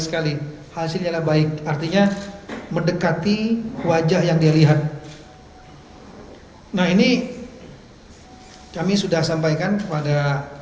sekali hasilnya baik artinya mendekati wajah yang dia lihat hai nah ini kami sudah sampaikan kepada